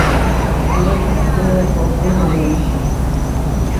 নিজাম সাহেব বললেন, আর পড়াশোনা হবে না।